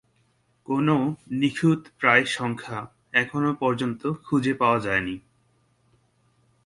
কোনো নিখুঁতপ্রায় সংখ্যা এখন পর্যন্ত খুঁজে পাওয়া যায়নি।